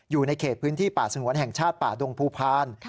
อยู่ในเขตพื้นที่ป่าสงวนแห่งชาติป่าดงภูพาล